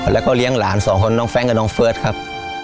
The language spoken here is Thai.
แล้วก็เลี้ยงหลานสองคนน้องแฟรงค์กับน้องเฟิร์สครับ